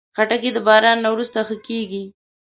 خټکی د باران نه وروسته ښه کېږي.